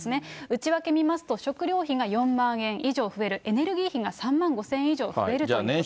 内訳見ますと、食料費が４万円以上増える、エネルギー費が３万５０００円以上増えるということ。